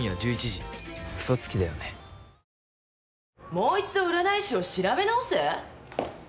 もう一度占い師を調べ直せ！？